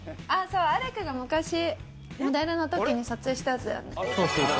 アレクが昔、モデルの時に撮影したやつだよね。